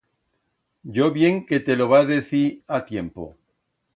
Yo bien que te lo va decir a tiempo.